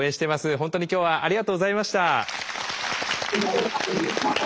本当に今日はありがとうございました。